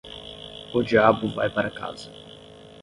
O diabo vai para casa.